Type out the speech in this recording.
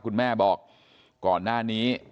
คุณแม่บอกก่อนหน้านี้